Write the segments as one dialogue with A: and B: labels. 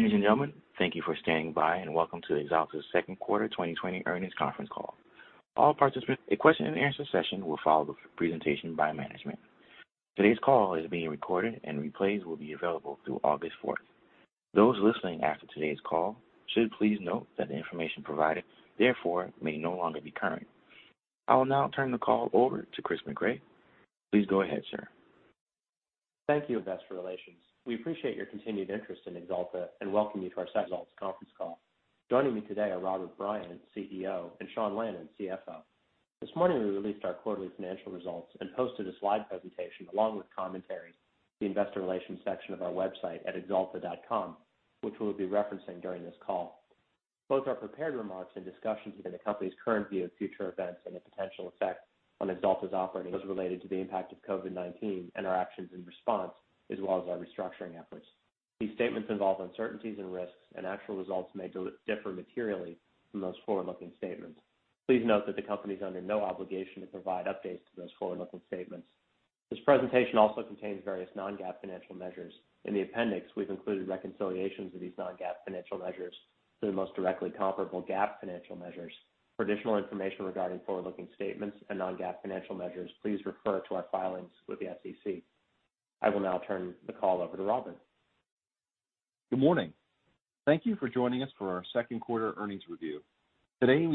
A: Ladies and gentlemen, thank you for standing by, and welcome to the Axalta's Second Quarter 2020 Earnings Conference Call. A question and answer session will follow the presentation by management. Today's call is being recorded and replays will be available through August 4th. Those listening after today's call should please note that the information provided, therefore may no longer be current. I will now turn the call over to Chris Mecray. Please go ahead, sir.
B: Thank you, Investor Relations. We appreciate your continued interest in Axalta and welcome you to our second Axalta conference call. Joining me today are Robert Bryant, CEO, and Sean Lannon, CFO. This morning we released our quarterly financial results and posted a slide presentation along with commentary in the investor relations section of our website at axalta.com, which we'll be referencing during this call. Both our prepared remarks and discussions within the company's current view of future events and the potential effect on Axalta's operating as related to the impact of COVID-19 and our actions in response, as well as our restructuring efforts. These statements involve uncertainties and risks. Actual results may differ materially from those forward-looking statements. Please note that the company is under no obligation to provide updates to those forward-looking statements. This presentation also contains various non-GAAP financial measures. In the appendix, we've included reconciliations of these non-GAAP financial measures to the most directly comparable GAAP financial measures. For additional information regarding forward-looking statements and non-GAAP financial measures, please refer to our filings with the SEC. I will now turn the call over to Robert.
C: Good morning. Thank you for joining us for our second quarter earnings review. Today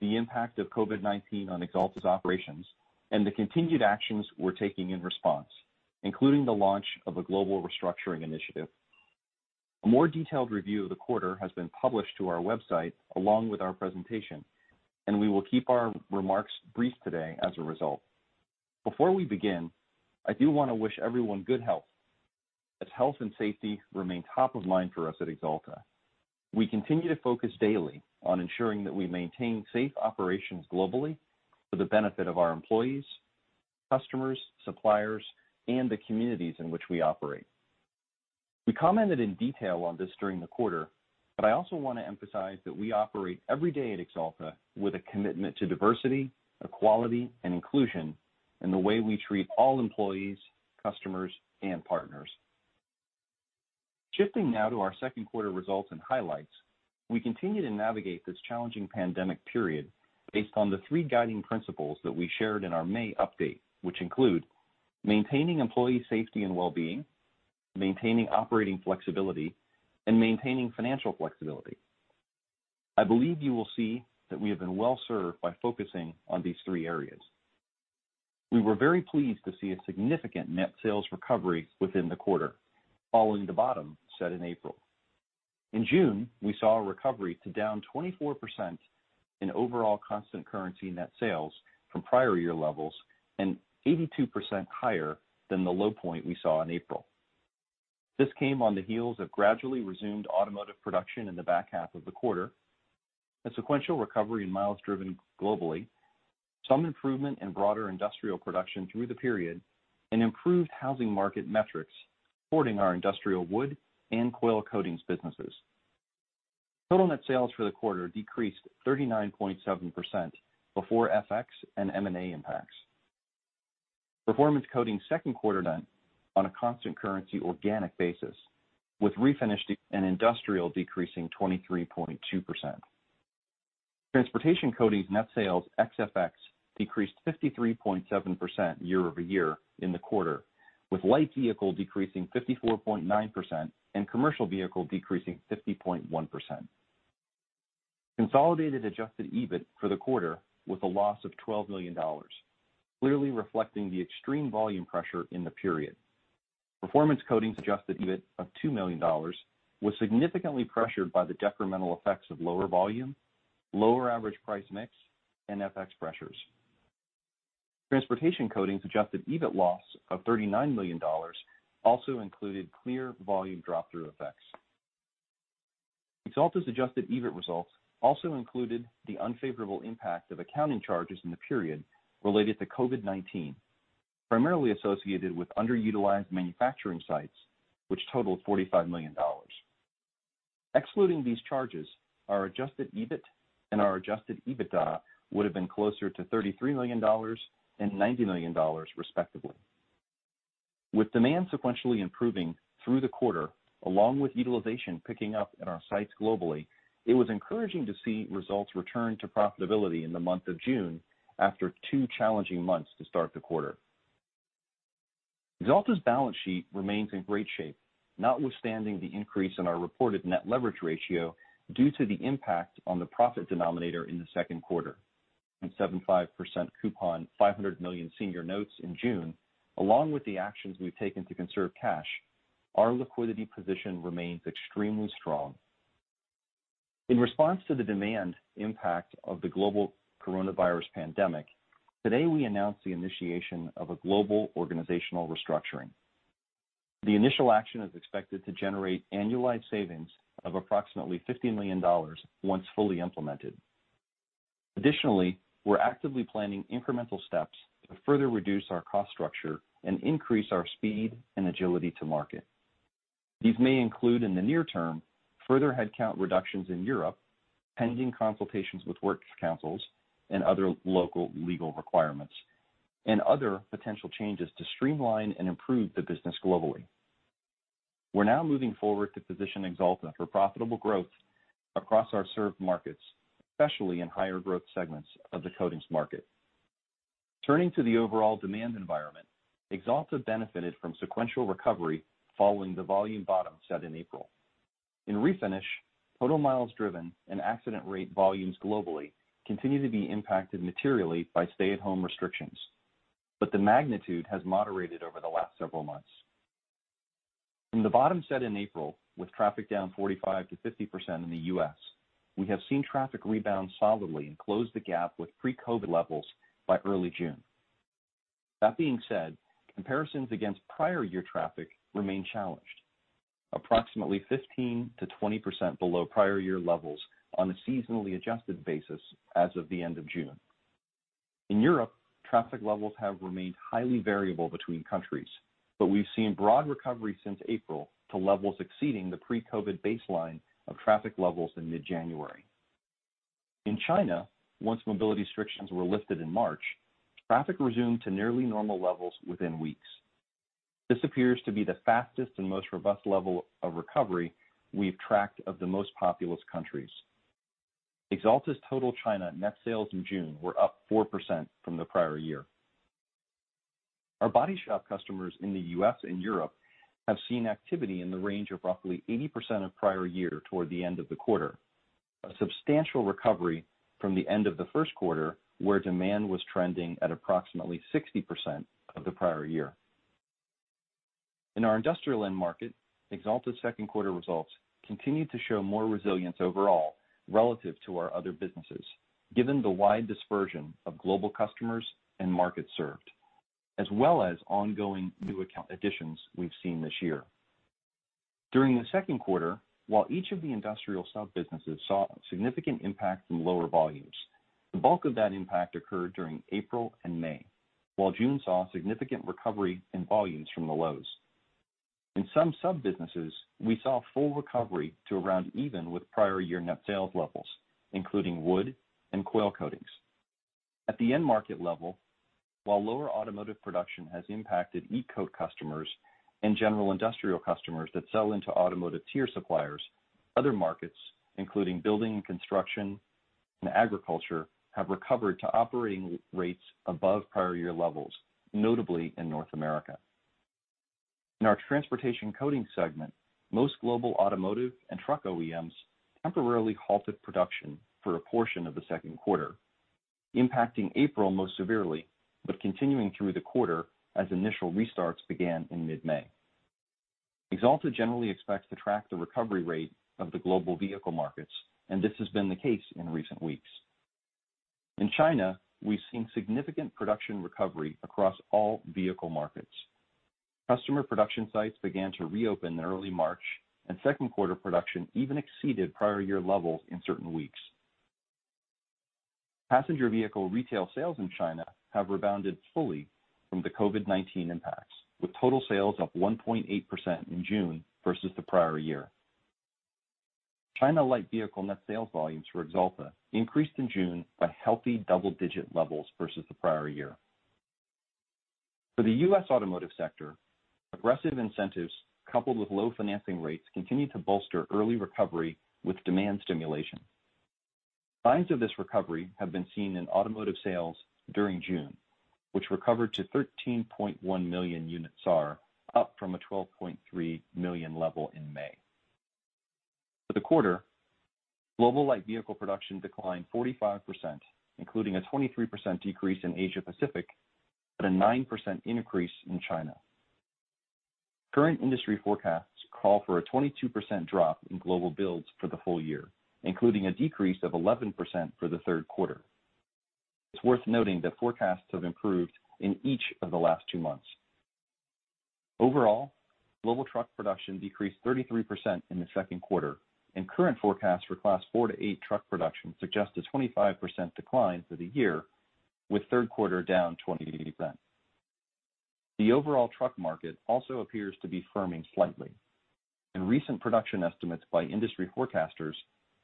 C: the impact of COVID-19 on Axalta's operations and the continued actions we're taking in response, including the launch of a global restructuring initiative. A more detailed review of the quarter has been published to our website along with our presentation. We will keep our remarks brief today as a result. Before we begin, I do want to wish everyone good health, as health and safety remain top of mind for us at Axalta. We continue to focus daily on ensuring that we maintain safe operations globally for the benefit of our employees, customers, suppliers, and the communities in which we operate. We commented in detail on this during the quarter, but I also want to emphasize that we operate every day at Axalta with a commitment to diversity, equality, and inclusion in the way we treat all employees, customers, and partners. Shifting now to our second quarter results and highlights, we continue to navigate this challenging pandemic period based on the three guiding principles that we shared in our May update, which include maintaining employee safety and well-being, maintaining operating flexibility, and maintaining financial flexibility. I believe you will see that we have been well-served by focusing on these three areas. We were very pleased to see a significant net sales recovery within the quarter, following the bottom set in April. In June, we saw a recovery to down 24% in overall constant currency net sales from prior year levels, and 82% higher than the low point we saw in April. This came on the heels of gradually resumed automotive production in the back half of the quarter, a sequential recovery in miles driven globally, some improvement in broader industrial production through the period, and improved housing market metrics supporting our industrial wood and coil coatings businesses. Total net sales for the quarter decreased 39.7% before FX and M&A impacts. Performance Coatings second quarter done on a constant currency organic basis, with refinish and industrial decreasing 23.2%. Transportation Coatings net sales ex FX decreased 53.7% year-over-year in the quarter, with light vehicle decreasing 54.9% and commercial vehicle decreasing 50.1%. Consolidated adjusted EBIT for the quarter was a loss of $12 million, clearly reflecting the extreme volume pressure in the period. Performance Coatings adjusted EBIT of $2 million was significantly pressured by the detrimental effects of lower volume, lower average price mix, and FX pressures. Transportation Coatings adjusted EBIT loss of $39 million also included clear volume drop-through effects. Axalta's adjusted EBIT results also included the unfavorable impact of accounting charges in the period related to COVID-19, primarily associated with underutilized manufacturing sites, which totaled $45 million. Excluding these charges, our adjusted EBIT and our adjusted EBITDA would have been closer to $33 million and $90 million, respectively. With demand sequentially improving through the quarter, along with utilization picking up at our sites globally, it was encouraging to see results return to profitability in the month of June after two challenging months to start the quarter. Axalta's balance sheet remains in great shape, notwithstanding the increase in our reported net leverage ratio due to the impact on the profit denominator in the second quarter, and 75% coupon $500 million senior notes in June, along with the actions we've taken to conserve cash, our liquidity position remains extremely strong. In response to the demand impact of the global coronavirus pandemic, today we announce the initiation of a global organizational restructuring. The initial action is expected to generate annualized savings of approximately $50 million once fully implemented. Additionally, we're actively planning incremental steps to further reduce our cost structure and increase our speed and agility to market. These may include in the near-term. Further headcount reductions in Europe, pending consultations with work councils and other local legal requirements, and other potential changes to streamline and improve the business globally. We're now moving forward to position Axalta for profitable growth across our served markets, especially in higher growth segments of the coatings market. Turning to the overall demand environment, Axalta benefited from sequential recovery following the volume bottom set in April. In Refinish, total miles driven and accident rate volumes globally continue to be impacted materially by stay-at-home restrictions, but the magnitude has moderated over the last several months. From the bottom set in April, with traffic down 45%-50% in the U.S., we have seen traffic rebound solidly and close the gap with pre-COVID-19 levels by early June. That being said, comparisons against prior year traffic remain challenged, approximately 15%-20% below prior year levels on a seasonally adjusted basis as of the end of June. In Europe, traffic levels have remained highly variable between countries, but we've seen broad recovery since April to levels exceeding the pre-COVID baseline of traffic levels in mid-January. In China, once mobility restrictions were lifted in March, traffic resumed to nearly normal levels within weeks. This appears to be the fastest and most robust level of recovery we've tracked of the most populous countries. Axalta's total China net sales in June were up 4% from the prior year. Our body shop customers in the U.S. and Europe have seen activity in the range of roughly 80% of prior year toward the end of the quarter, a substantial recovery from the end of the first quarter, where demand was trending at approximately 60% of the prior year. In our industrial end market, Axalta's second quarter results continued to show more resilience overall relative to our other businesses, given the wide dispersion of global customers and markets served, as well as ongoing new account additions we've seen this year. During the second quarter, while each of the industrial sub-businesses saw significant impact from lower volumes, the bulk of that impact occurred during April and May, while June saw significant recovery in volumes from the lows. In some sub-businesses, we saw full recovery to around even with prior year net sales levels, including wood and coil coatings. At the end market level, while lower automotive production has impacted E-Coat customers and general industrial customers that sell into automotive tier suppliers, other markets, including building and construction and agriculture, have recovered to operating rates above prior year levels, notably in North America. In our Transportation Coatings segment, most global automotive and truck OEMs temporarily halted production for a portion of the second quarter, impacting April most severely, but continuing through the quarter as initial restarts began in mid-May. Axalta generally expects to track the recovery rate of the global vehicle markets. This has been the case in recent weeks. In China, we've seen significant production recovery across all vehicle markets. Customer production sites began to re-open in early March. Second quarter production even exceeded prior year levels in certain weeks. Passenger vehicle retail sales in China have rebounded fully from the COVID-19 impacts, with total sales up 1.8% in June versus the prior year. China light vehicle net sales volumes for Axalta increased in June by healthy double-digit levels versus the prior year. For the U.S. automotive sector, aggressive incentives coupled with low financing rates continue to bolster early recovery with demand stimulation. Signs of this recovery have been seen in automotive sales during June, which recovered to 13.1 million units SAAR, up from a 12.3 million level in May. For the quarter, global light vehicle production declined 45%, including a 23% decrease in Asia Pacific, but a 9% increase in China. Current industry forecasts call for a 22% drop in global builds for the full year, including a decrease of 11% for the third quarter. It's worth noting that forecasts have improved in each of the last two months. Overall, global truck production decreased 33% in the second quarter, and current forecasts for Class 4-8 truck production suggest a 25% decline for the year, with third quarter down 20%. The overall truck market also appears to be firming slightly, and recent production estimates by industry forecasters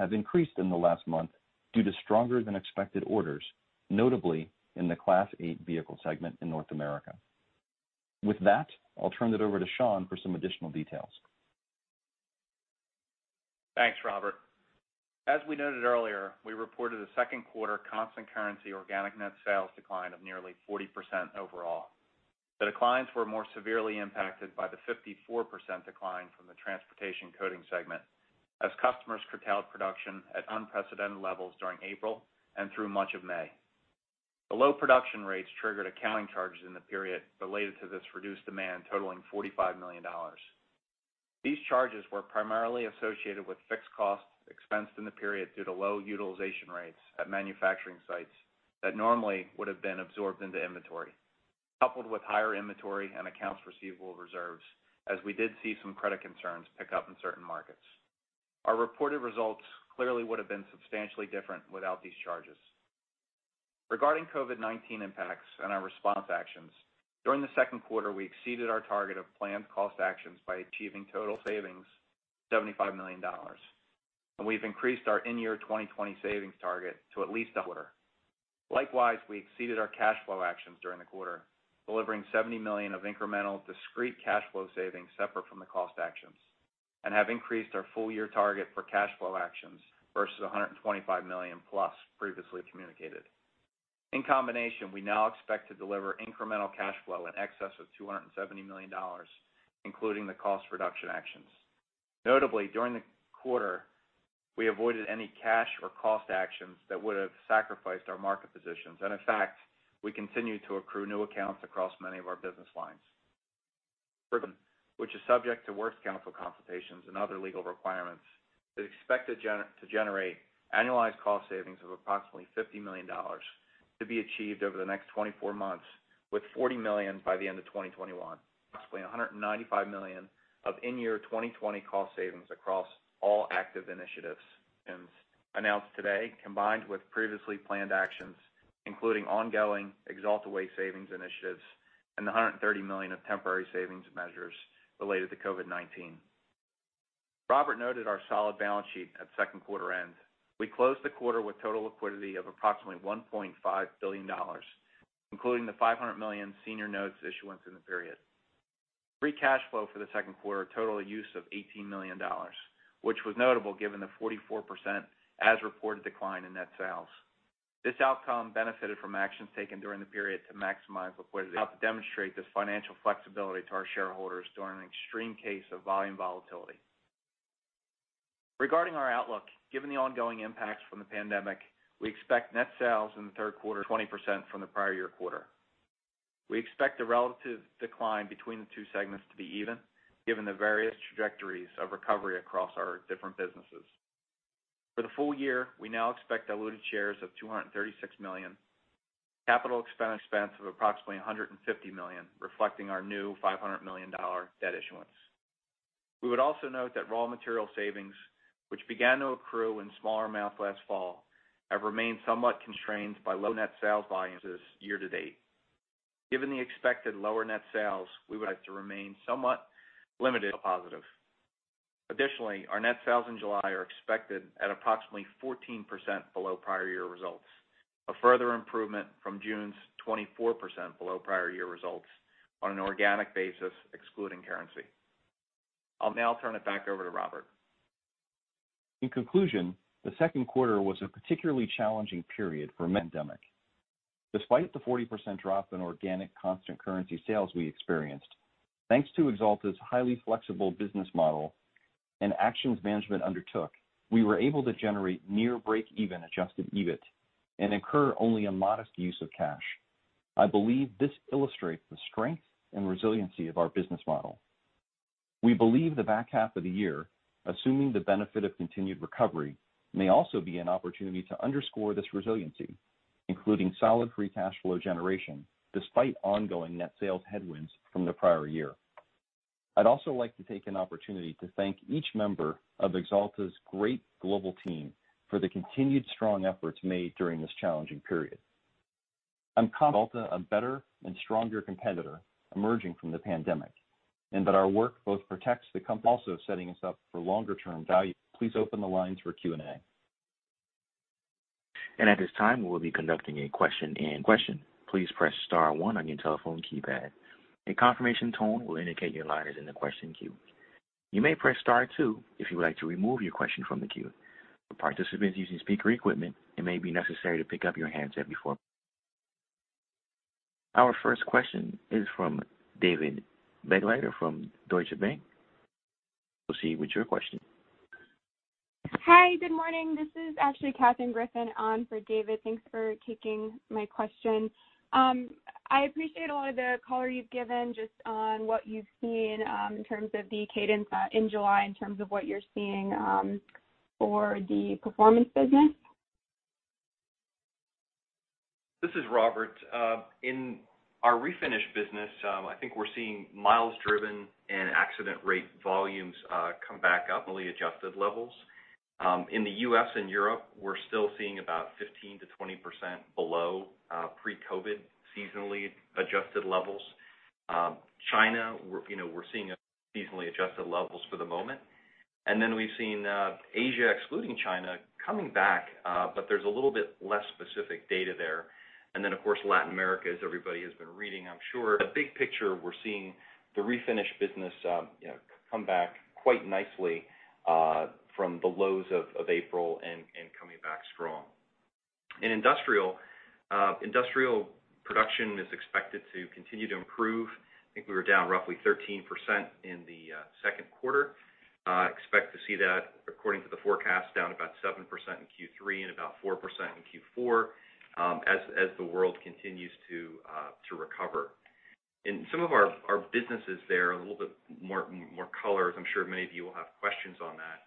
C: have increased in the last month due to stronger than expected orders, notably in the Class 8 vehicle segment in North America. With that, I'll turn it over to Sean for some additional details.
D: Thanks, Robert. As we noted earlier, we reported a second quarter constant currency organic net sales decline of nearly 40% overall. The declines were more severely impacted by the 54% decline from the Transportation Coating segment, as customers curtailed production at unprecedented levels during April and through much of May. The low production rates triggered accounting charges in the period related to this reduced demand totaling $45 million. These charges were primarily associated with fixed costs expensed in the period due to low utilization rates at manufacturing sites that normally would have been absorbed into inventory, coupled with higher inventory and accounts receivable reserves, as we did see some credit concerns pick up in certain markets. Our reported results clearly would have been substantially different without these charges. Regarding COVID-19 impacts and our response actions, during the second quarter, we exceeded our target of planned cost actions by achieving total savings, $75 million. We've increased our in-year 2020 savings target to at least a quarter. Likewise, we exceeded our cash flow actions during the quarter, delivering $70 million of incremental discrete cash flow savings separate from the cost actions, and have increased our full year target for cash flow actions versus $125 million plus previously communicated. In combination, we now expect to deliver incremental cash flow in excess of $270 million, including the cost reduction actions. Notably, during the quarter, we avoided any cash or cost actions that would have sacrificed our market positions. In fact, we continue to accrue new accounts across many of our business lines. Ribbon, which is subject to works council consultations and other legal requirements, is expected to generate annualized cost savings of approximately $50 million to be achieved over the next 24 months, with $40 million by the end of 2021. Approximately $195 million of in-year 2020 cost savings across all active initiatives announced today, combined with previously planned actions, including ongoing Axalta Way savings initiatives and the $130 million of temporary savings measures related to COVID-19. Robert noted our solid balance sheet at second quarter end. We closed the quarter with total liquidity of approximately $1.5 billion, including the $500 million senior notes issuance in the period. Free cash flow for the second quarter totaled a use of $18 million, which was notable given the 44% as reported decline in net sales. This outcome benefited from actions taken during the period to maximize liquidity to help demonstrate this financial flexibility to our shareholders during an extreme case of volume volatility. Regarding our outlook, given the ongoing impacts from the pandemic, we expect net sales in the third quarter 20% from the prior year quarter. We expect the relative decline between the two segments to be even, given the various trajectories of recovery across our different businesses. For the full year, we now expect diluted shares of 236 million, CapEx of approximately $150 million, reflecting our new $500 million debt issuance. We would also note that raw material savings, which began to accrue in smaller amounts last fall, have remained somewhat constrained by low net sales volumes year-to-date. Given the expected lower net sales, we would like to remain somewhat limited positive. Additionally, our net sales in July are expected at approximately 14% below prior year results, a further improvement from June's 24% below prior year results on an organic basis excluding currency. I'll now turn it back over to Robert.
C: In conclusion, the second quarter was a particularly challenging period for pandemic. Despite the 40% drop in organic constant currency sales we experienced, thanks to Axalta's highly flexible business model and actions management undertook, we were able to generate near breakeven adjusted EBIT and incur only a modest use of cash. I believe this illustrates the strength and resiliency of our business model. We believe the back half of the year, assuming the benefit of continued recovery, may also be an opportunity to underscore this resiliency, including solid free cash flow generation, despite ongoing net sales headwinds from the prior year. I'd also like to take an opportunity to thank each member of Axalta's great global team for the continued strong efforts made during this challenging period. I'm confident Axalta, a better and stronger competitor emerging from the pandemic, and that our work both protects the company also setting us up for longer-term value. Please open the lines for Q&A.
A: At this time, we'll be conducting a question and question. Please press star one on your telephone keypad. A confirmation tone will indicate your line is in the question queue. You may press star two if you would like to remove your question from the queue. For participants using speaker equipment, it may be necessary to pick up your handset before. Our first question is from David Begleiter from Deutsche Bank. Proceed with your question.
E: Hi. Good morning. This is actually Katherine Griffin `on for David. Thanks for taking my question. I appreciate a lot of the color you've given just on what you've seen in terms of the cadence in July in terms of what you're seeing for the Performance business.
C: This is Robert. In our refinish business, I think we're seeing miles driven and accident rate volumes come back up adjusted levels. In the U.S. and Europe, we're still seeing about 15%-20% below pre-COVID seasonally adjusted levels. China, we're seeing seasonally adjusted levels for the moment. We've seen Asia, excluding China, coming back, but there's a little bit less specific data there. Of course, Latin America, as everybody has been reading, I'm sure. The big picture, we're seeing the refinish business come back quite nicely from the lows of April and coming back strong. In industrial production is expected to continue to improve. I think we were down roughly 13% in the second quarter. Expect to see that according to the forecast down about 7% in Q3 and about 4% in Q4 as the world continues to recover. In some of our businesses there, a little bit more color, as I'm sure many of you will have questions on that.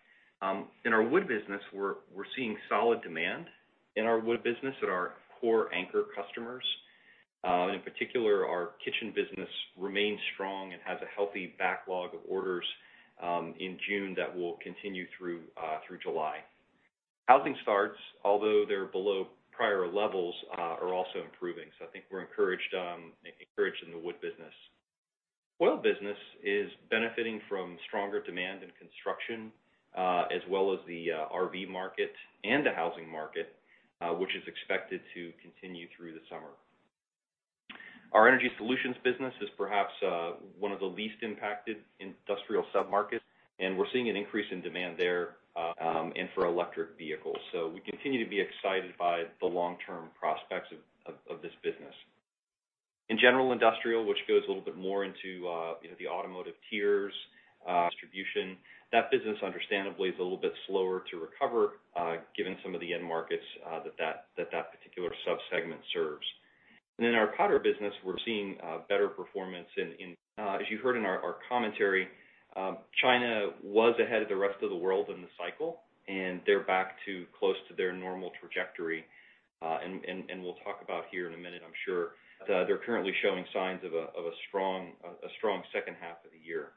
C: In our wood business, we're seeing solid demand in our wood business at our core anchor customers. In particular, our kitchen business remains strong and has a healthy backlog of orders in June that will continue through July. Housing starts, although they're below prior levels, are also improving. I think we're encouraged in the wood business. Coil business is benefiting from stronger demand in construction, as well as the RV market and the housing market, which is expected to continue through the summer. Our energy solutions business is perhaps one of the least impacted industrial sub-markets, and we're seeing an increase in demand there and for electric vehicles. We continue to be excited by the long-term prospects of this business. In general industrial, which goes a little bit more into the automotive tiers distribution, that business understandably is a little bit slower to recover, given some of the end markets that that particular sub-segment serves. In our powder business, we're seeing better performance. As you heard in our commentary, China was ahead of the rest of the world in the cycle, and they're back to close to their normal trajectory. We'll talk about here in a minute, I'm sure, that they're currently showing signs of a strong second half of the year.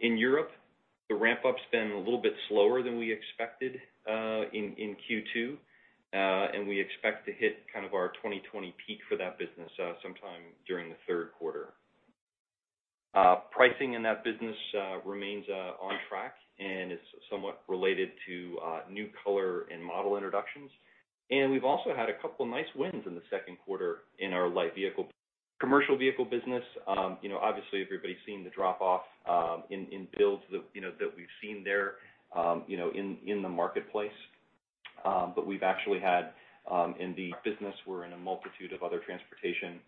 C: In Europe, the ramp-up's been a little bit slower than we expected in Q2. We expect to hit our 2020 peak for that business sometime during the third quarter. Pricing in that business remains on track and is somewhat related to new color and model introductions. We've also had a couple nice wins in the second quarter in our light vehicle, commercial vehicle business. Obviously, everybody's seen the drop-off in builds that we've seen there in the marketplace. We've actually had in the business, we're in a multitude of other transportation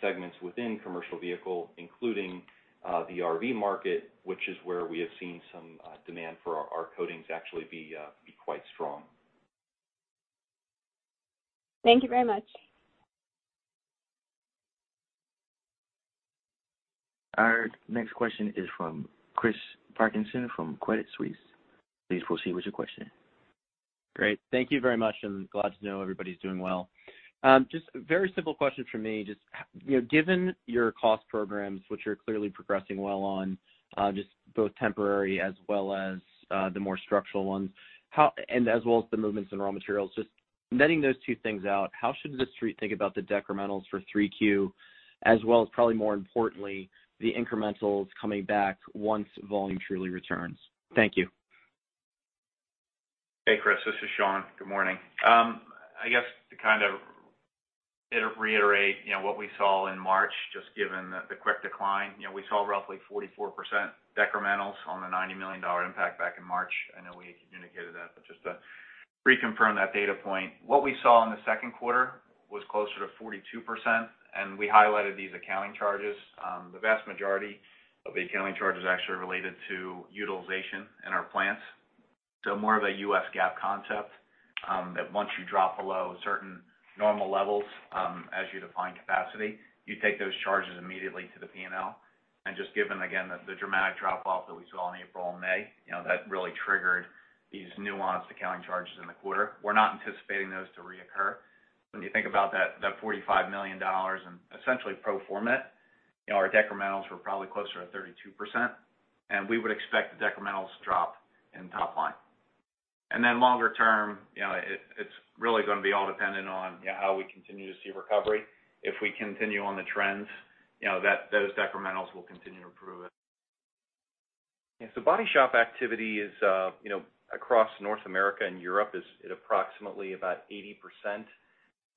C: segments within commercial vehicle, including the RV market, which is where we have seen some demand for our coatings actually be quite strong.
E: Thank you very much.
A: Our next question is from Chris Parkinson from Credit Suisse. Please proceed with your question.
F: Great. Thank you very much, and glad to know everybody's doing well. Just a very simple question from me. Just given your cost programs, which you're clearly progressing well on, just both temporary as well as the more structural ones, and as well as the movements in raw materials, just netting those two things out, how should The Street think about the decrementals for three Q, as well as probably more importantly, the incrementals coming back once volume truly returns? Thank you.
D: Hey, Chris. This is Sean. Good morning. I guess to kind of reiterate what we saw in March, just given the quick decline, we saw roughly 44% decrementals on the $90 million impact back in March. I know we indicated that, but just to reconfirm that data point. What we saw in the second quarter was closer to 42%, and we highlighted these accounting charges. The vast majority of the accounting charges are actually related to utilization in our plants. So more of a U.S. GAAP concept, that once you drop below certain normal levels, as you define capacity, you take those charges immediately to the P&L. Just given, again, the dramatic drop-off that we saw in April and May, that really triggered these nuanced accounting charges in the quarter. We're not anticipating those to reoccur. When you think about that $45 million in essentially pro forma, our decrementals were probably closer to 32%. We would expect the decrementals to drop in top line. Longer-term, it's really gonna be all dependent on how we continue to see recovery. If we continue on the trends, those decrementals will continue to improve. Yes, the body shop activity across North America and Europe is at approximately 80%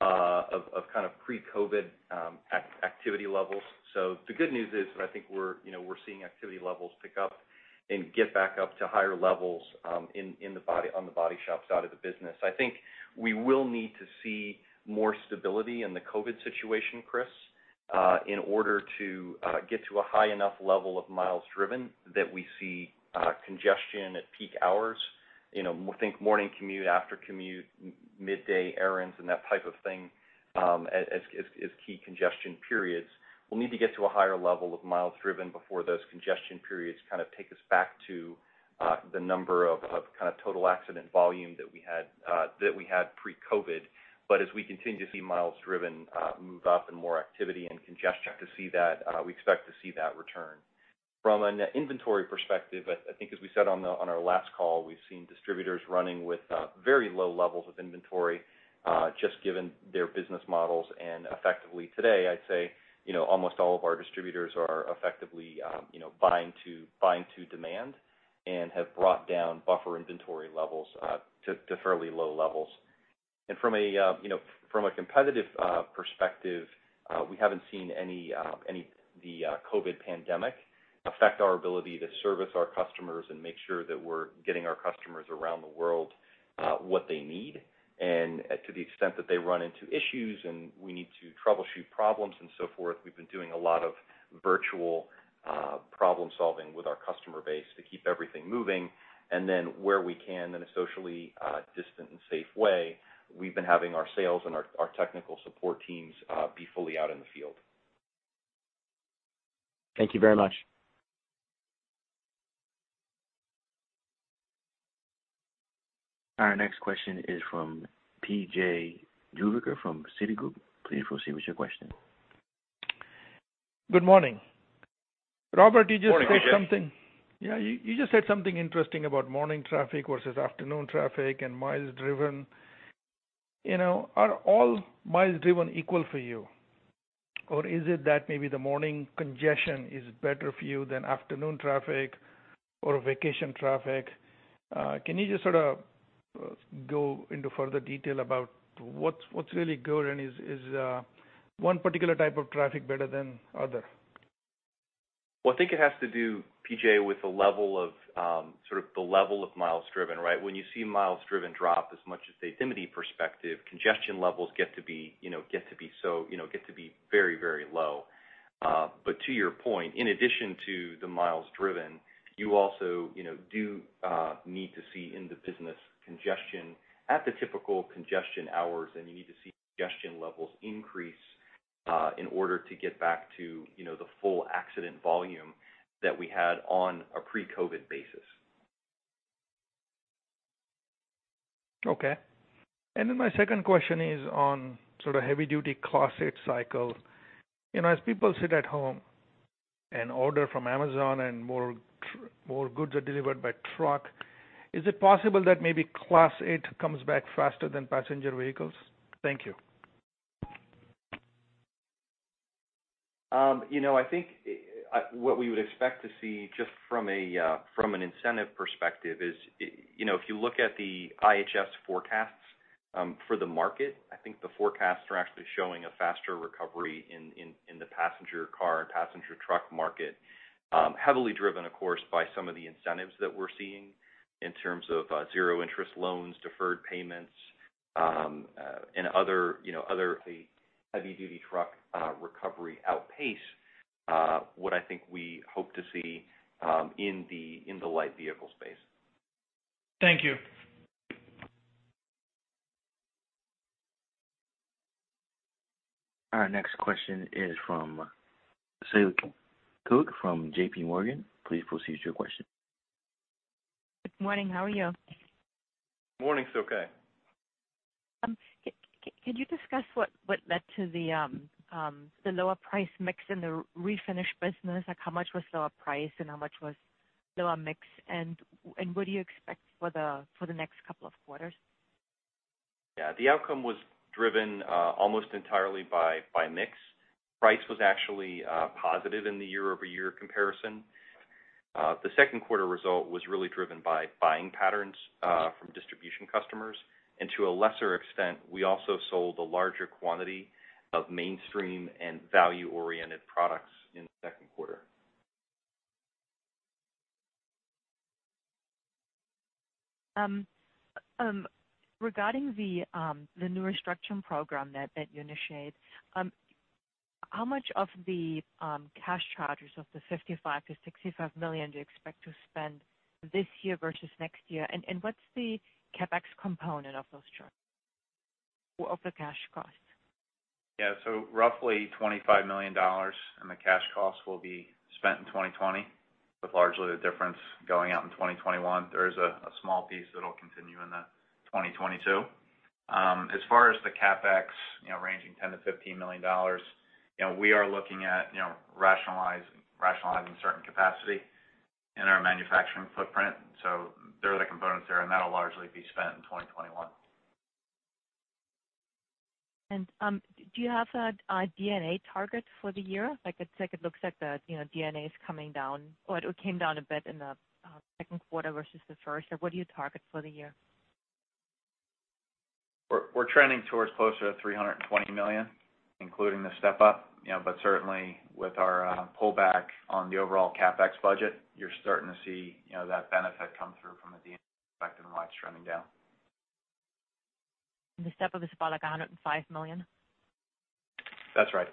D: of kind of pre-COVID activity levels. The good news is that I think we're seeing activity levels pick up and get back up to higher levels on the body shops side of the business. I think we will need to see more stability in the COVID situation, Chris, in order to get to a high enough level of miles driven that we see congestion at peak hours. Think morning commute, after commute, midday errands, and that type of thing, as key congestion periods. We'll need to get to a higher level of miles driven before those congestion periods kind of take us back to the number of total accident volume that we had pre-COVID. As we continue to see miles driven move up and more activity and congestion, we expect to see that return. From an inventory perspective, I think as we said on our last call, we've seen distributors running with very low levels of inventory, just given their business models. Effectively today, I'd say, almost all of our distributors are effectively buying to demand and have brought down buffer inventory levels to fairly low levels. From a competitive perspective, we haven't seen any of the COVID pandemic affect our ability to service our customers and make sure that we're getting our customers around the world what they need. To the extent that they run into issues and we need to troubleshoot problems and so forth, we've been doing a lot of virtual problem-solving with our customer base to keep everything moving. Where we can, in a socially distant and safe way, we've been having our sales and our technical support teams be fully out in the field.
F: Thank you very much.
A: Our next question is from PJ Juvekar from Citigroup. Please proceed with your question.
G: Good morning.
C: Morning, PJ.
G: Robert, you just said something interesting about morning traffic versus afternoon traffic and miles driven. Are all miles driven equal for you? Or is it that maybe the morning congestion is better for you than afternoon traffic or vacation traffic? Can you just sort of go into further detail about what's really good, and is one particular type of traffic better than other?
C: Well, I think it has to do, PJ, with the level of miles driven, right? When you see miles driven drop as much as the affinity perspective, congestion levels get to be very, very low. To your point, in addition to the miles driven, you also do need to see in the business congestion at the typical congestion hours, and you need to see congestion levels increase in order to get back to the full accident volume that we had on a pre-COVID basis.
G: Okay. My second question is on sort of heavy-duty Class 8 cycle. As people sit at home and order from Amazon and more goods are delivered by truck, is it possible that maybe Class 8 comes back faster than passenger vehicles? Thank you.
C: I think what we would expect to see just from an incentive perspective is, if you look at the IHS forecasts for the market, I think the forecasts are actually showing a faster recovery in the passenger car and passenger truck market. Heavily driven, of course, by some of the incentives that we're seeing in terms of zero-interest loans, deferred payments, and other heavy-duty truck recovery outpace, what I think we hope to see in the light vehicle space.
G: Thank you.
A: Our next question is from Silke Kueck from JPMorgan. Please proceed with your question.
H: Good morning. How are you?
C: Morning, Silke.
H: Could you discuss what led to the lower price mix in the refinish business? How much was lower price and how much was lower mix, and what do you expect for the next couple of quarters?
C: The outcome was driven almost entirely by mix. Price was actually positive in the year-over-year comparison. The second quarter result was really driven by buying patterns from distribution customers. To a lesser extent, we also sold a larger quantity of mainstream and value-oriented products in the second quarter.
H: Regarding the new restructuring program that you initiate, how much of the cash charges of the $55 million-$65 million do you expect to spend this year versus next year, and what's the CapEx component of the cash cost?
C: Yeah. Roughly $25 million in the cash costs will be spent in 2020, with largely the difference going out in 2021. There is a small piece that'll continue into 2022. As far as the CapEx, ranging $10 million-$15 million, we are looking at rationalizing certain capacity in our manufacturing footprint. They're the components there, and that'll largely be spent in 2021.
H: Do you have a D&A target for the year? It looks like the D&A is coming down or it came down a bit in the second quarter versus the first. What do you target for the year?
C: We're trending towards closer to $320 million, including the step-up. Certainly, with our pullback on the overall CapEx budget, you're starting to see that benefit come through from a D&A perspective and why it's trending down.
H: The step-up is about $105 million?
C: That's right.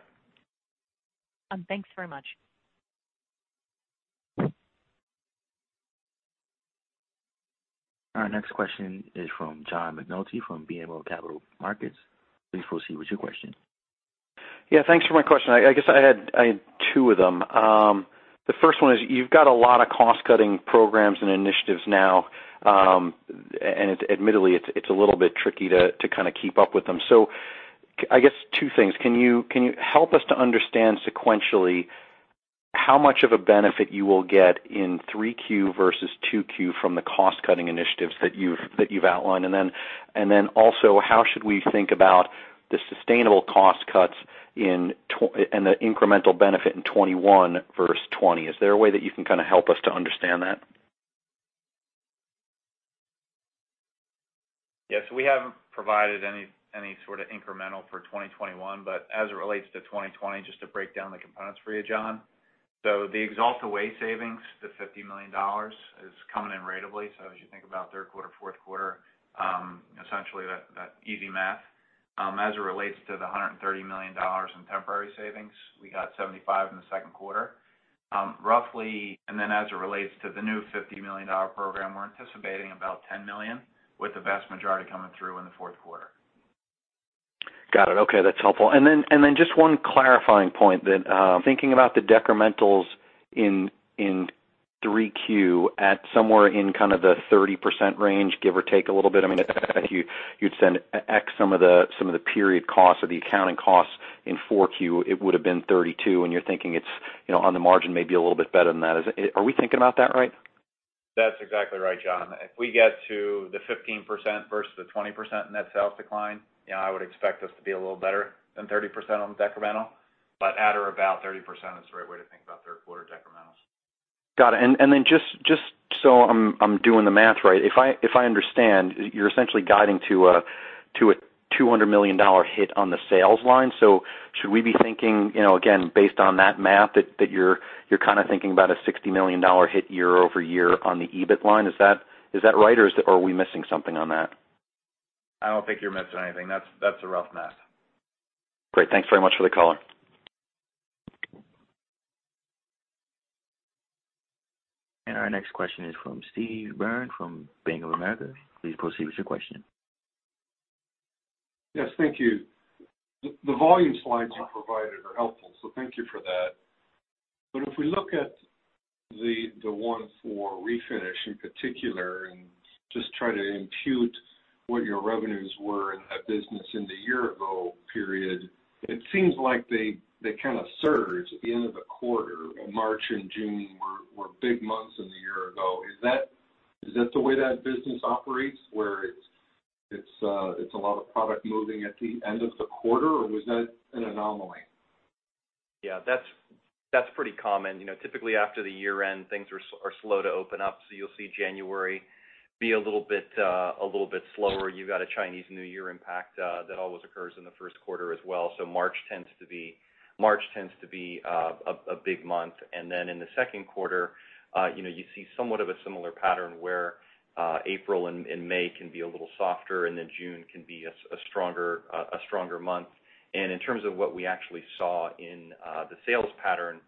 H: Thanks very much.
A: Our next question is from John McNulty from BMO Capital Markets. Please proceed with your question.
I: Yeah, thanks for my question. I guess I had two of them. The first one is, you've got a lot of cost-cutting programs and initiatives now, and admittedly, it's a little bit tricky to kind of keep up with them. I guess two things. Can you help us to understand sequentially how much of a benefit you will get in 3Q versus 2Q from the cost-cutting initiatives that you've outlined? Then also, how should we think about the sustainable cost cuts and the incremental benefit in 2021 versus 2020? Is there a way that you can kind of help us to understand that?
C: Yes, we haven't provided any sort of incremental for 2021. As it relates to 2020, just to break down the components for you, John. The Axalta Way savings, the $50 million, is coming in ratably. As you think about third quarter, fourth quarter, essentially that easy math. As it relates to the $130 million in temporary savings, we got $75 million in the second quarter. As it relates to the new $50 million program, we're anticipating about $10 million, with the vast majority coming through in the fourth quarter.
I: Got it. Okay, that's helpful. Just one clarifying point. Thinking about the decrementals in 3Q at somewhere in kind of the 30% range, give or take a little bit. If you'd ex some of the period costs or the accounting costs in 4Q, it would've been 32, and you're thinking it's on the margin maybe a little bit better than that. Are we thinking about that right?
C: That's exactly right, John. If we get to the 15% versus the 20% net sales decline, I would expect us to be a little better than 30% on the decremental, but at or about 30% is the right way to think about third quarter decrementals.
I: Got it. Just so I'm doing the math right, if I understand, you're essentially guiding to a $200 million hit on the sales line. Should we be thinking, again, based on that math, that you're kind of thinking about a $60 million hit year-over-year on the EBIT line? Is that right, or are we missing something on that?
C: I don't think you're missing anything. That's the rough math.
I: Great. Thanks very much for the color.
A: Our next question is from Steve Byrne from Bank of America. Please proceed with your question.
J: Yes, thank you. The volume slides you provided are helpful, so thank you for that. If we look at the one for refinish in particular, and just try to impute what your revenues were in that business in the year-ago period, it seems like they kind of surge at the end of the quarter. March and June were big months in the year-ago. Is that the way that business operates, where it's a lot of product moving at the end of the quarter, or was that an anomaly?
C: Yeah, that's pretty common. Typically, after the year end, things are slow to open up. You'll see January be a little bit slower. You've got a Chinese New Year impact that always occurs in the first quarter as well. March tends to be a big month. In the second quarter, you see somewhat of a similar pattern, where April and May can be a little softer, and then June can be a stronger month. In terms of what we actually saw in the sales pattern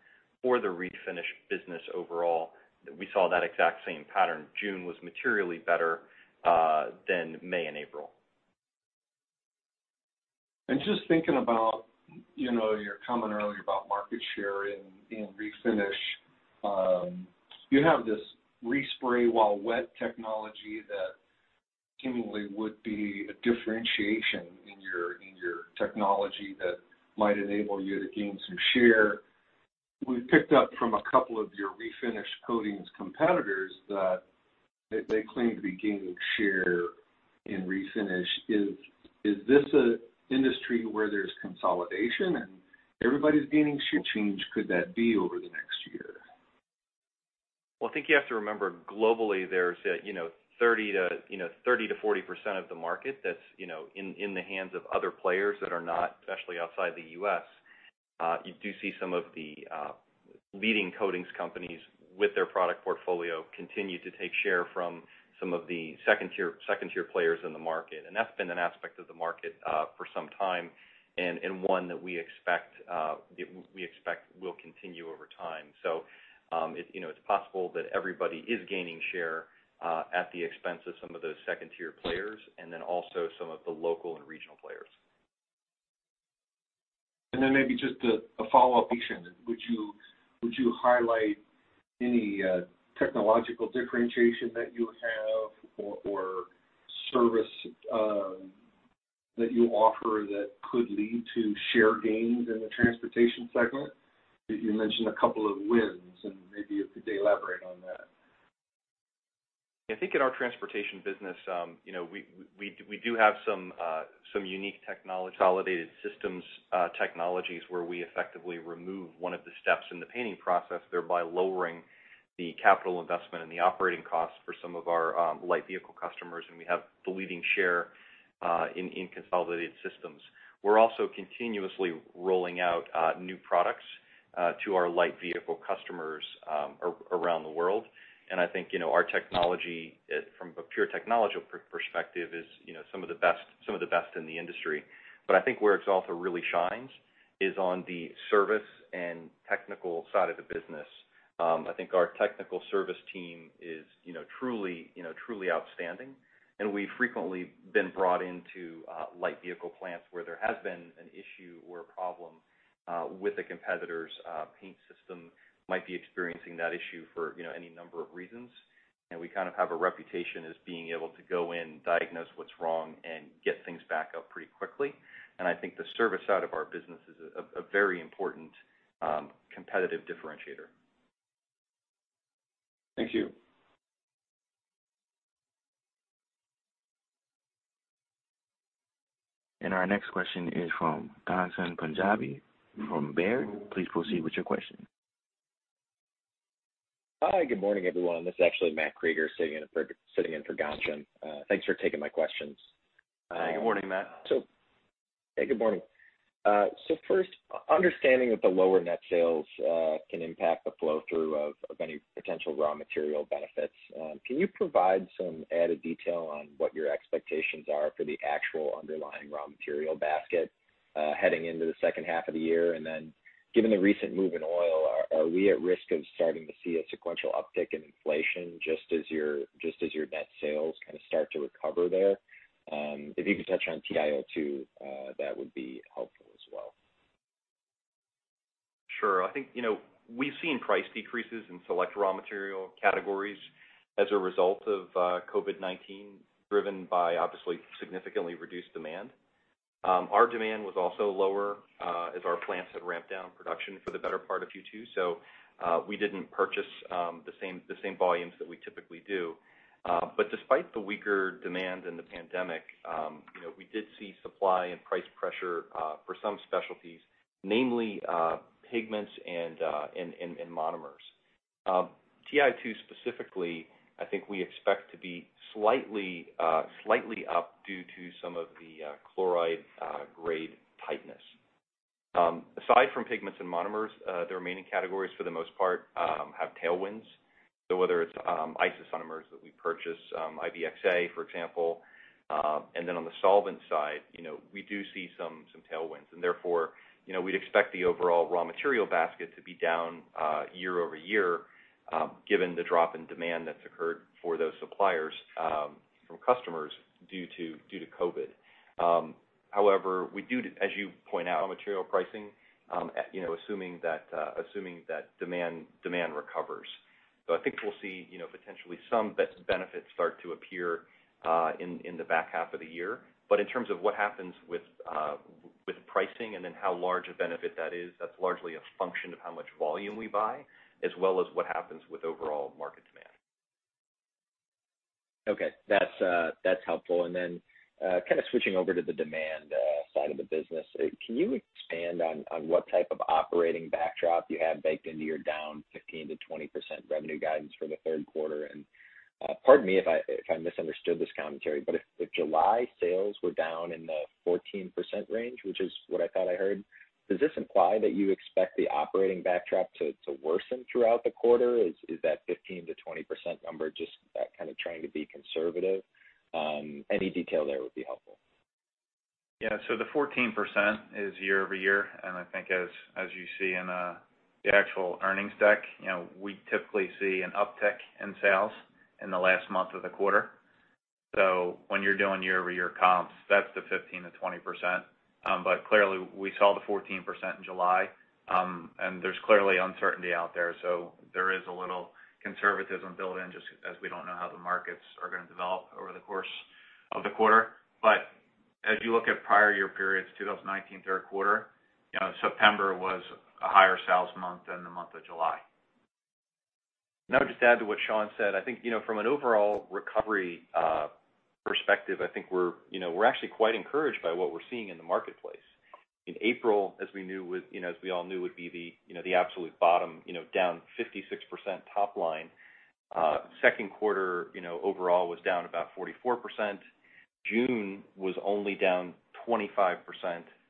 C: for the refinish business overall, we saw that exact same pattern. June was materially better than May and April.
J: Just thinking about your comment earlier about market share in refinish. You have this respray while wet technology that seemingly would be a differentiation in your technology that might enable you to gain some share. We've picked up from a couple of your refinish coatings competitors that they claim to be gaining share in refinish. Is this an industry where there's consolidation, and everybody's gaining share? What change could that be over the next year?
C: Well, I think you have to remember, globally, there's 30%-40% of the market that's in the hands of other players that are not, especially outside the U.S. You do see some of the leading coatings companies with their product portfolio continue to take share from some of the second-Tier players in the market. That's been an aspect of the market for some time, and one that we expect will continue over time. It's possible that everybody is gaining share at the expense of some of those second-tier players, and then also some of the local and regional players.
J: Maybe just a follow-up question. Would you highlight any technological differentiation that you have or service that you offer that could lead to share gains in the Transportation segment? You mentioned a couple of wins, maybe could you elaborate on that?
C: I think in our Transportation Coatings business, we do have some unique technology-validated systems technologies where we effectively remove one of the steps in the painting process, thereby lowering the capital investment and the operating costs for some of our light vehicle customers. We have the leading share in consolidated systems. We're also continuously rolling out new products to our light vehicle customers around the world. I think our technology, from a pure technology perspective, is some of the best in the industry. I think where it also really shines is on the service and technical side of the business. I think our technical service team is truly outstanding, and we've frequently been brought into light vehicle plants where there has been an issue or a problem with a competitor's paint system. Might be experiencing that issue for any number of reasons. We kind of have a reputation as being able to go in, diagnose what's wrong, and get things back up pretty quickly. I think the service side of our business is a very important competitive differentiator.
J: Thank you.
A: Our next question is from Ghansham Panjabi from Baird. Please proceed with your question.
K: Hi. Good morning, everyone. This is actually Matthew Krueger sitting in for Ghansham. Thanks for taking my questions.
C: Good morning, Matt.
K: Hey, good morning. First, understanding that the lower net sales can impact the flow-through of any potential raw material benefits, can you provide some added detail on what your expectations are for the actual underlying raw material basket heading into the second half of the year? Given the recent move in oil, are we at risk of starting to see a sequential uptick in inflation just as your net sales kind of start to recover there? If you could touch on TiO2, that would be helpful as well.
C: Sure. I think, we've seen price decreases in select raw material categories as a result of COVID-19, driven by obviously significantly reduced demand. Our demand was also lower, as our plants had ramped down production for the better part of Q2, so we didn't purchase the same volumes that we typically do. Despite the weaker demand in the pandemic, we did see supply and price pressure for some specialties, namely pigments and monomers. TiO2 specifically, I think we expect to be slightly up due to some of the chloride grade tightness. Aside from pigments and monomers, the remaining categories for the most part, have tailwinds. Whether it's isocyanates that we purchase, IPDA, for example. On the solvent side, we do see some tailwinds, therefore, we'd expect the overall raw material basket to be down year-over-year, given the drop in demand that's occurred for those suppliers from customers due to COVID. However, we do, as you point out, material pricing, assuming that demand recovers. I think we'll see potentially some benefits start to appear in the back half of the year. In terms of what happens with pricing and then how large a benefit that is, that's largely a function of how much volume we buy, as well as what happens with overall market demand.
K: Okay. That's helpful. Switching over to the demand side of the business, can you expand on what type of operating backdrop you have baked into your down 15%-20% revenue guidance for the third quarter? Pardon me if I misunderstood this commentary, but if July sales were down in the 14% range, which is what I thought I heard, does this imply that you expect the operating backdrop to worsen throughout the quarter? Is that 15%-20% number just that kind of trying to be conservative? Any detail there would be helpful.
D: The 14% is year-over-year, I think as you see in the actual earnings deck, we typically see an uptick in sales in the last month of the quarter. When you're doing year-over-year comps, that's the 15%-20%. Clearly we saw the 14% in July. There's clearly uncertainty out there, so there is a little conservatism built in, just as we don't know how the markets are going to develop over the course of the quarter. As you look at prior year periods, 2019 third quarter, September was a higher sales month than the month of July.
C: I would just add to what Sean said, I think from an overall recovery perspective, I think we're actually quite encouraged by what we're seeing in the marketplace. In April, as we all knew would be the absolute bottom, down 56% top line. Second quarter overall was down about 44%. June was only down 25%,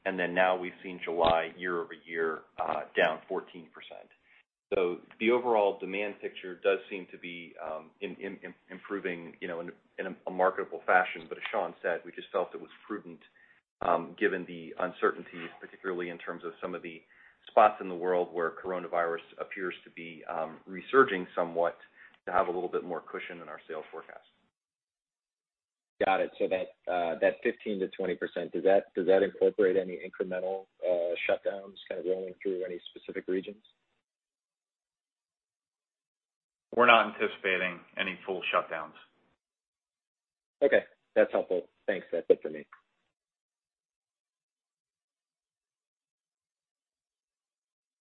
C: now we've seen July year-over-year, down 14%. The overall demand picture does seem to be improving in a marketable fashion. As Sean said, we just felt it was prudent, given the uncertainties, particularly in terms of some of the spots in the world where coronavirus appears to be resurging somewhat to have a little bit more cushion in our sales forecast.
K: Got it. That 15%-20%, does that incorporate any incremental shutdowns kind of rolling through any specific regions?
D: We're not anticipating any full shutdowns.
K: Okay. That's helpful. Thanks. That's it for me.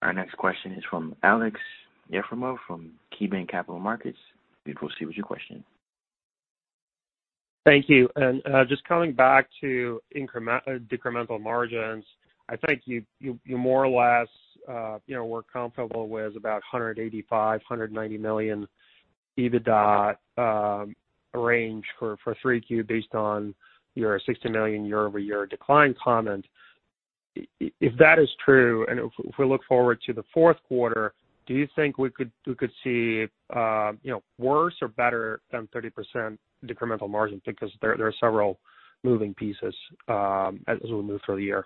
A: Our next question is from Aleksey Yefremov from KeyBanc Capital Markets. Please proceed with your question.
L: Thank you. Just coming back to incremental margins, I think you more or less were comfortable with about $185 million to $190 million EBITDA range for 3Q based on your $60 million year-over-year decline comment. If that is true, and if we look forward to the fourth quarter, do you think we could see worse or better than 30% incremental margin? There are several moving pieces as we move through the year.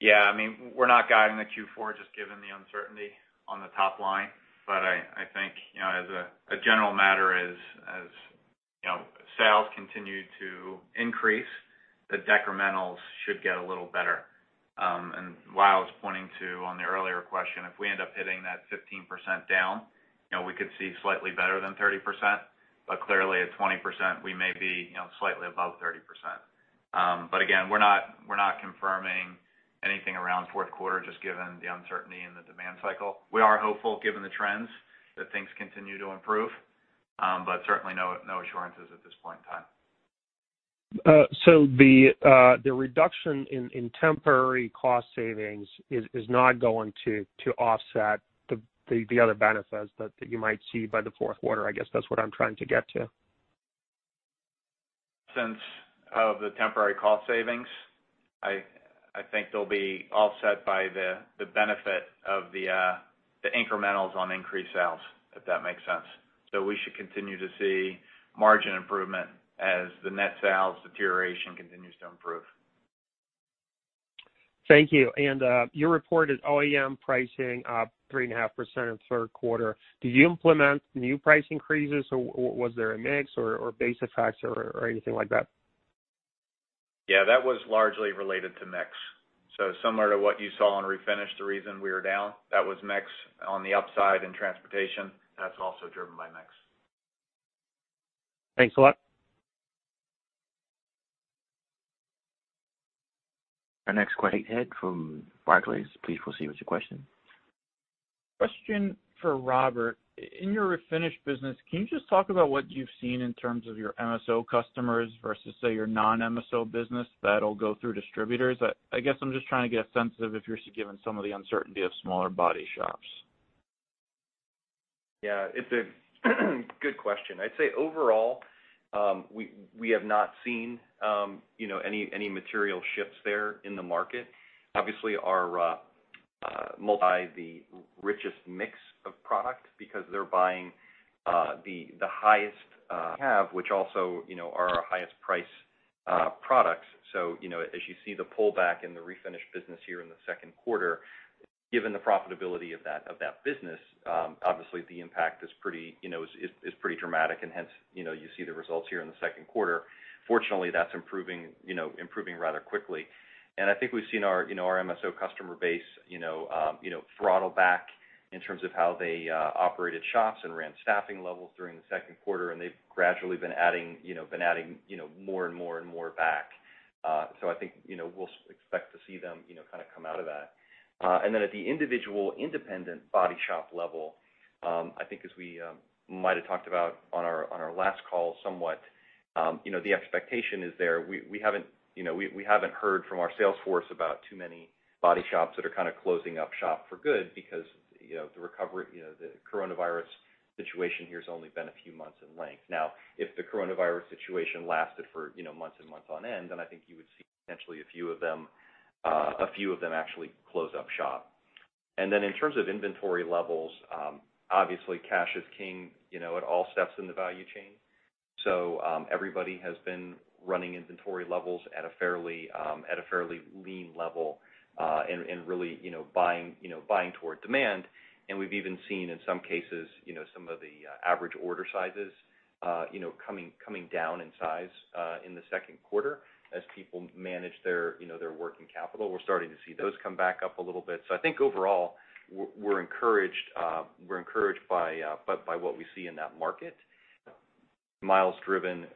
D: We're not guiding the Q4 just given the uncertainty on the top line. I think as a general matter as sales continue to increase, the decrementals should get a little better. Lyle was pointing to on the earlier question, if we end up hitting that 15% down, we could see slightly better than 30%, but clearly at 20%, we may be slightly above 30%. Again, we're not confirming anything around fourth quarter just given the uncertainty in the demand cycle. We are hopeful given the trends that things continue to improve. Certainly no assurances at this point in time.
L: The reduction in temporary cost savings is not going to offset the other benefits that you might see by the fourth quarter, I guess that's what I'm trying to get to.
D: Since of the temporary cost savings, I think they'll be offset by the benefit of the. The incrementals on increased sales, if that makes sense. We should continue to see margin improvement as the net sales deterioration continues to improve.
L: Thank you. Your reported OEM pricing of 3.5% in the third quarter, did you implement new price increases, or was there a mix, or base effects, or anything like that?
C: Yeah. That was largely related to mix. Similar to what you saw on Refinish, the reason we were down. That was mix on the upside, and Transportation, that's also driven by mix.
L: Thanks a lot.
A: Our next question, Ed from Barclays. Please proceed with your question.
M: Question for Robert. In your Refinish business, can you just talk about what you've seen in terms of your MSO customers versus, say, your non-MSO business that'll go through distributors? I guess I'm just trying to get a sense of if you're given some of the uncertainty of smaller body shops.
C: It's a good question. I'd say overall, we have not seen any material shifts there in the market. Obviously, the richest mix of product, because they're buying the highest end, which also are our highest price products. As you see the pullback in the Refinish business here in the second quarter, given the profitability of that business, obviously, the impact is pretty dramatic, and hence, you see the results here in the second quarter. Fortunately, that's improving rather quickly. I think we've seen our MSO customer base throttle back in terms of how they operated shops and ran staffing levels during the second quarter, and they've gradually been adding more and more back. I think, we'll expect to see them kind of come out of that. At the individual independent body shop level, I think as we might have talked about on our last call somewhat, the expectation is there. We haven't heard from our sales force about too many body shops that are kind of closing up shop for good because the recovery, the coronavirus situation here has only been a few months in length. If the coronavirus situation lasted for months and months on end, then I think you would see potentially a few of them actually close up shop. In terms of inventory levels, obviously, cash is king at all steps in the value chain. Everybody has been running inventory levels at a fairly lean level, and really buying toward demand. We've even seen, in some cases, some of the average order sizes coming down in size in the second quarter as people manage their working capital. We're starting to see those come back up a little bit. I think overall, we're encouraged by what we see in that market. Miles driven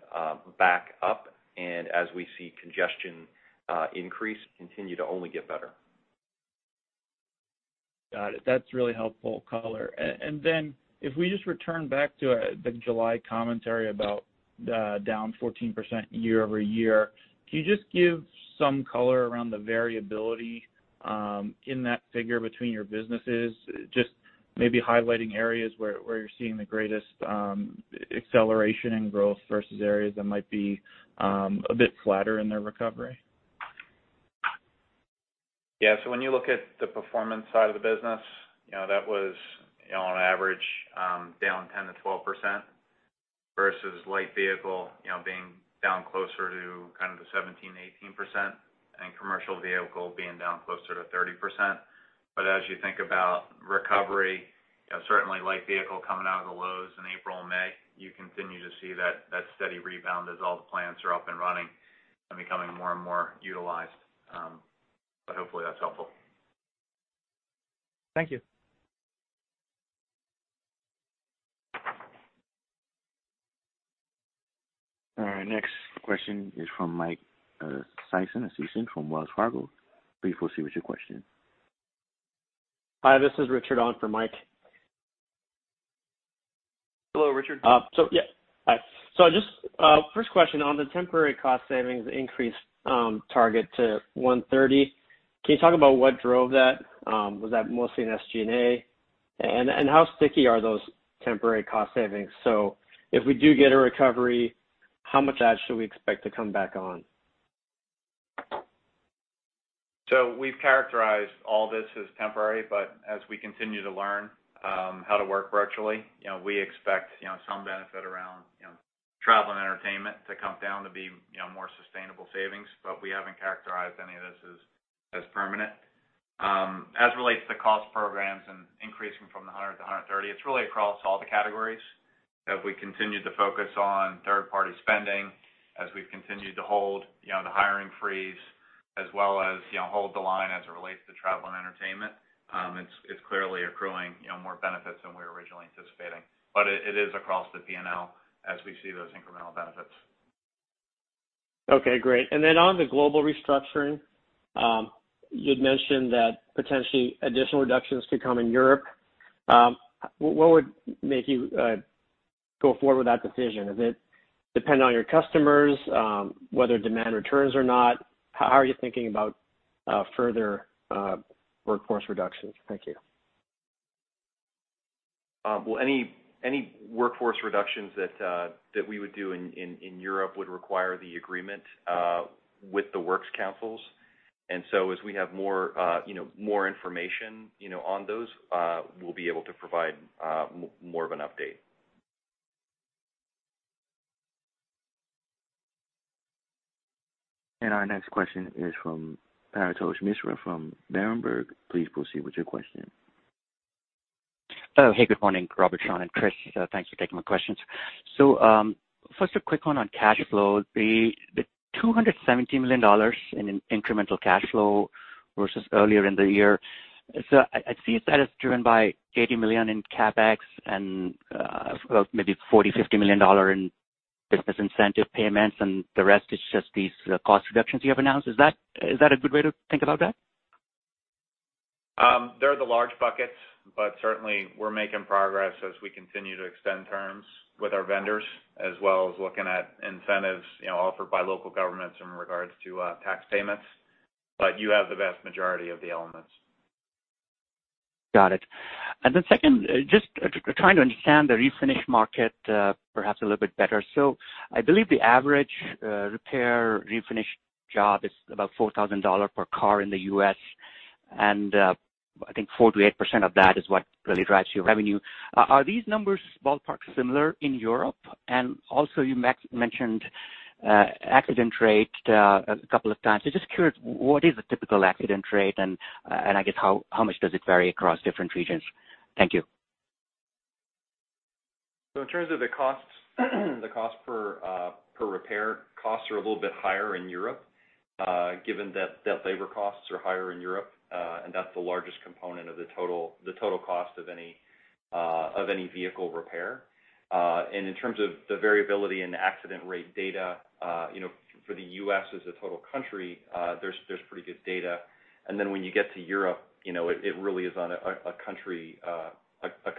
C: back up, and as we see congestion increase, continue to only get better.
M: Got it. That's really helpful color. If we just return back to the July commentary about down 14% year-over-year, can you just give some color around the variability in that figure between your businesses, just maybe highlighting areas where you're seeing the greatest acceleration in growth versus areas that might be a bit flatter in their recovery?
C: When you look at the performance side of the business, that was on average, down 10%-12%, versus light vehicle being down closer to kind of the 17%-18%, and commercial vehicle being down closer to 30%. As you think about recovery, certainly light vehicle coming out of the lows in April and May, you continue to see that steady rebound as all the plants are up and running and becoming more and more utilized. Hopefully that's helpful.
M: Thank you.
A: All right. Next question is from Mike Sison, analyst from Wells Fargo. Please proceed with your question.
N: Hi, this is Richard on for Mike.
C: Hello, Richard.
N: Yeah, hi. Just, first question. On the temporary cost savings increase target to $130, can you talk about what drove that? Was that mostly in SG&A? How sticky are those temporary cost savings? If we do get a recovery, how much of that should we expect to come back on?
C: We've characterized all this as temporary, but as we continue to learn how to work virtually, we expect some benefit around travel and entertainment to come down to be more sustainable savings. We haven't characterized any of this as permanent. As it relates to cost programs and increasing from the $100-$130, it's really across all the categories. As we continue to focus on third-party spending, as we've continued to hold the hiring freeze, as well as hold the line as it relates to travel and entertainment, it's clearly accruing more benefits than we were originally anticipating. It is across the P&L as we see those incremental benefits.
N: Okay, great. On the global restructuring, you'd mentioned that potentially additional reductions could come in Europe. What would make you go forward with that decision? Does it depend on your customers, whether demand returns or not? How are you thinking about further workforce reductions? Thank you.
D: Well, any workforce reductions that we would do in Europe would require the agreement with the works councils. As we have more information on those, we'll be able to provide more of an update.
A: Our next question is from Paretosh Misra from Berenberg. Please proceed with your question.
O: Oh, hey, good morning, Robert, Sean, and Chris. Thanks for taking my questions. First, a quick one on cash flow. The $270 million in incremental cash flow versus earlier in the year. I see that it's driven by $80 million in CapEx and maybe $40 million, $50 million in business incentive payments and the rest is just these cost reductions you have announced. Is that a good way to think about that?
D: They're the large buckets, but certainly we're making progress as we continue to extend terms with our vendors, as well as looking at incentives offered by local governments in regards to tax payments. You have the vast majority of the elements.
O: Got it. Second, just trying to understand the refinish market perhaps a little bit better. I believe the average repair refinish job is about $4,000 per car in the U.S., and I think 4%-8% of that is what really drives your revenue. Are these numbers ballpark similar in Europe? Also you mentioned accident rate a couple of times. Just curious, what is a typical accident rate and, I guess, how much does it vary across different regions? Thank you.
D: In terms of the costs per repair, costs are a little bit higher in Europe, given that labor costs are higher in Europe, and that's the largest component of the total cost of any vehicle repair. In terms of the variability in the accident rate data for the U.S. as a total country, there's pretty good data. When you get to Europe, it really is on a country by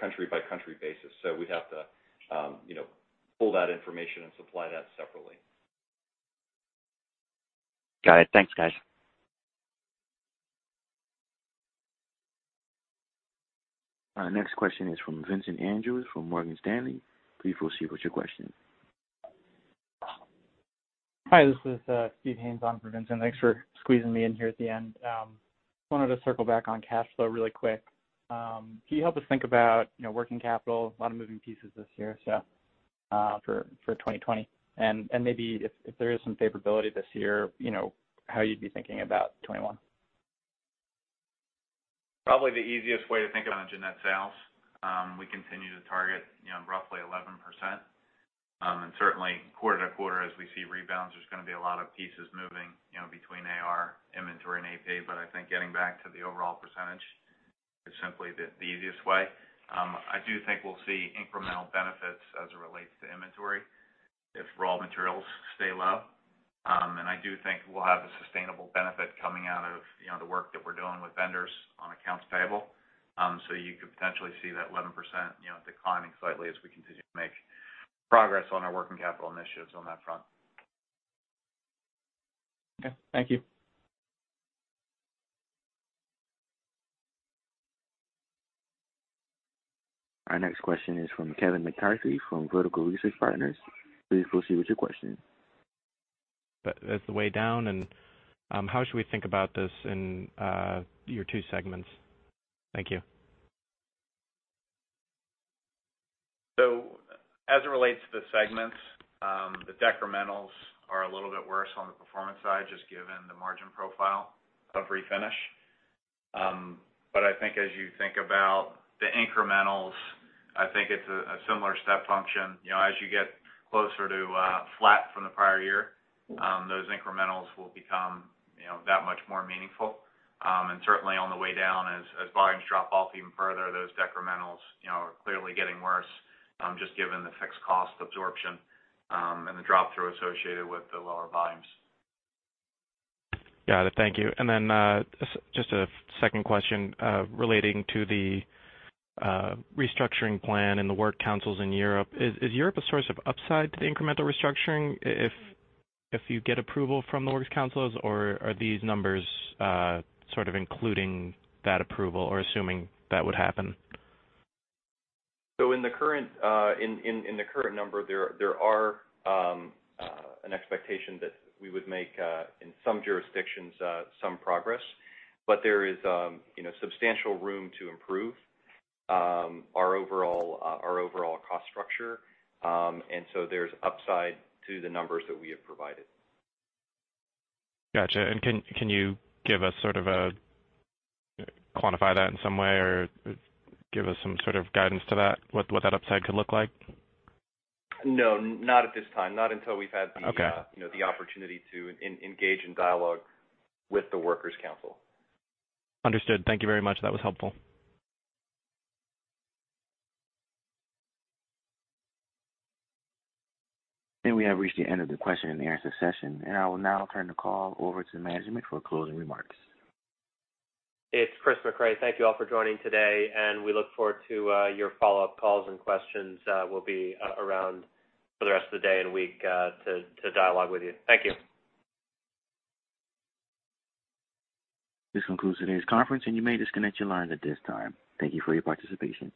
D: country basis. We'd have to pull that information and supply that separately.
O: Got it. Thanks, guys.
A: Our next question is from Vincent Andrews from Morgan Stanley. Please proceed with your question.
P: Hi, this is Steve Haynes on for Vincent. Thanks for squeezing me in here at the end. Wanted to circle back on cash flow really quick. Can you help us think about working capital, a lot of moving pieces this year, so for 2020, and maybe if there is some favorability this year, how you'd be thinking about 2021.
D: Probably the easiest way to think about it, net sales. We continue to target roughly 11%, and certainly quarter to quarter as we see rebounds, there's going to be a lot of pieces moving between AR, inventory, and AP, but I think getting back to the overall percentage is simply the easiest way. I do think we'll see incremental benefits as it relates to inventory if raw materials stay low. I do think we'll have a sustainable benefit coming out of the work that we're doing with vendors on accounts payable. You could potentially see that 11% declining slightly as we continue to make progress on our working capital initiatives on that front.
Q: Okay. Thank you.
A: Our next question is from Kevin McCarthy from Vertical Research Partners. Please proceed with your question.
R: As the way down and how should we think about this in your two segments? Thank you.
D: As it relates to the segments, the decrementals are a little bit worse on the Performance side, just given the margin profile of refinish. I think as you think about the incrementals, I think it's a similar step function. As you get closer to flat from the prior year, those incrementals will become that much more meaningful. Certainly on the way down as volumes drop off even further, those decrementals are clearly getting worse, just given the fixed cost absorption, and the drop-through associated with the lower volumes.
R: Got it. Thank you. Just a second question relating to the restructuring plan and the work councils in Europe. Is Europe a source of upside to the incremental restructuring if you get approval from the work councils or are these numbers sort of including that approval or assuming that would happen?
D: In the current number, there are an expectation that we would make in some jurisdictions some progress, but there is substantial room to improve our overall cost structure. There's upside to the numbers that we have provided.
R: Got you. Can you give us sort of a quantify that in some way or give us some sort of guidance to that, what that upside could look like?
D: No, not at this time. Not until we've had.
R: Okay
D: the opportunity to engage in dialogue with the workers' council.
R: Understood. Thank you very much. That was helpful.
A: We have reached the end of the question and answer session. I will now turn the call over to management for closing remarks.
B: It's Chris Mecray. Thank you all for joining today, and we look forward to your follow-up calls and questions. We'll be around for the rest of the day and week to dialogue with you. Thank you.
A: This concludes today's conference, and you may disconnect your lines at this time. Thank you for your participation.